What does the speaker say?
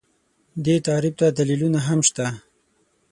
دې تعریف ته دلیلونه هم شته